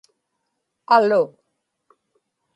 alu